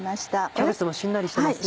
キャベツもしんなりしてますね。